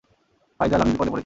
ফাইজাল, আমি বিপদে পরেছি।